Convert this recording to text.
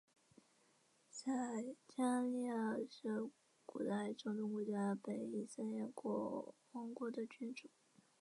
撒迦利雅是古代中东国家北以色列王国的君主。